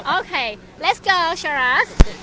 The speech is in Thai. โอเคไปกันดีกว่า